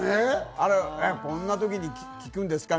こんな時に聞くんですか？